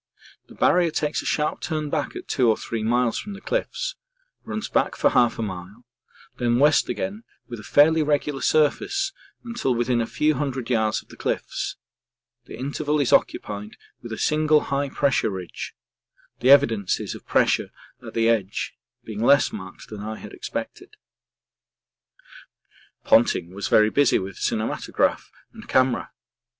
The Barrier takes a sharp turn back at 2 or 3 miles from the cliffs, runs back for half a mile, then west again with a fairly regular surface until within a few hundred yards of the cliffs; the interval is occupied with a single high pressure ridge the evidences of pressure at the edge being less marked than I had expected. Ponting was very busy with cinematograph and camera.